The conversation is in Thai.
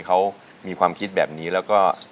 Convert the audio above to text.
เขามีความคิดแบบนี้แล้วก็